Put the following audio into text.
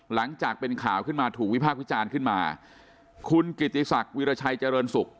หลังจากเป็นข่าวขึ้นมาถูกวิพากษ์วิจารณ์ขึ้นมาคุณกิติศักดิ์วิราชัยเจริญศุกร์